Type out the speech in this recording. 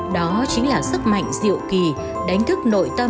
đó chính là sức mạnh dịu kì